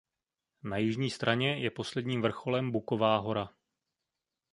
Na jižní straně je posledním vrcholem Buková hora.